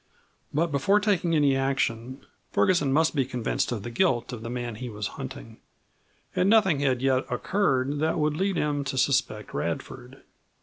But before taking any action Ferguson must be convinced of the guilt of the man he was hunting, and nothing had yet occurred that would lead him to suspect Radford.